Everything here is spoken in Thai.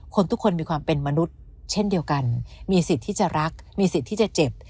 ทุกคนมีความเป็นมนุษย์เช่นเดียวกันมีสิทธิ์ที่จะรักมีสิทธิ์ที่จะเจ็บ